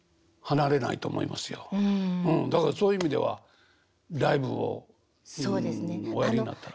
うんだからそういう意味ではライブをおやりになったら。